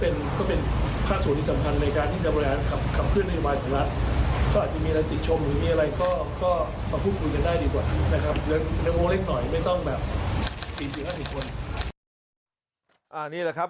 นี่แหละครับ